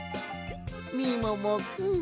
みももくん